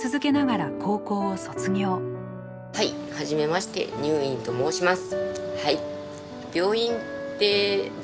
はいはじめましてにゅーいんと申します。